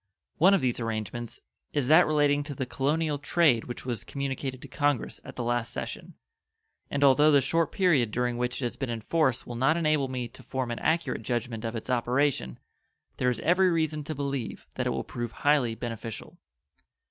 One of these arrangements is that relating to the colonial trade which was communicated to Congress at the last session; and although the short period during which it has been in force will not enable me to form an accurate judgment of its operation, there is every reason to believe that it will prove highly beneficial.